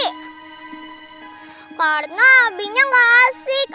karena abinya gak asik